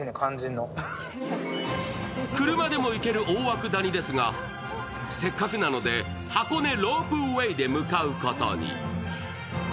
車でも行ける大涌谷ですが、せっかくなので箱根ロープウェイで向かうことに。